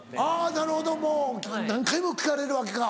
なるほど何回も聞かれるわけか。